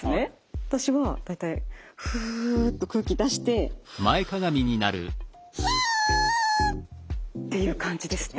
私は大体フッと空気出して。っていう感じで吸ってます。